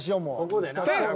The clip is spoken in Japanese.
ここでな。